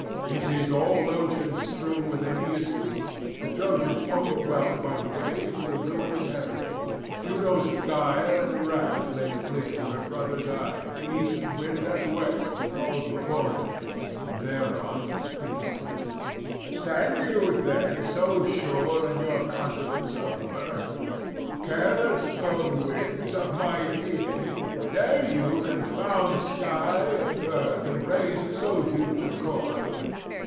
He sees all ocean strewn with Aeneas' fleet, the Trojans overwhelmed by the waves and the ruining heaven. Juno's guile and wrath lay clear to her brother's eye; east wind and west he calls before him, and thereon speaks thus: 'Stand you then so sure in your confidence of birth? Careless, O winds, of my deity, dare you confound sky and earth, and raise so huge a coil?